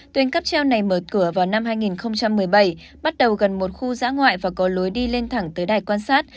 tuyến cắp treo này mở cửa vào năm hai nghìn một mươi bảy bắt đầu gần một khu dã ngoại và có lối đi lên thẳng tới đài quan sát